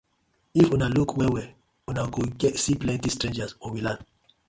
If una luuk well well uno go see plenty strangers for we land.